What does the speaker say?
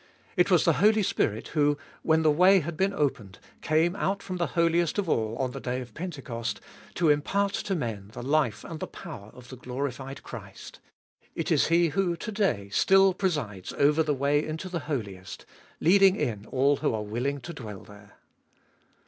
It was the Holy Spirit who, when the way had been opened, came out from the Holiest of All on the day of Pentecost, to impart to men the life and the power of the glorified Christ. It is He who to day still presides over the way into the Holiest, leading in all who are willing to dwell there.